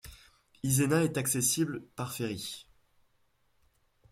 Izena est accessible par ferry.